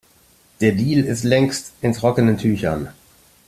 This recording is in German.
Der Deal ist längst in trockenen Tüchern.